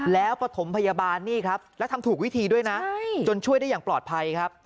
แล้วปฐมพยาบาลนี่ครับแล้วทำถูกวิธีด้วยนะจนช่วยได้อย่างปลอดภัยครับ